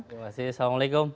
terima kasih assalamualaikum